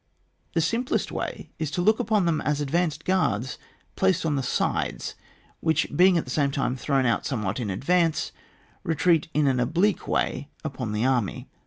The simplest way is to look upon them as advanced guards placed on the sides, which being at the same time thrown out somewhat in advance, retreat in an oblique direction upon the army.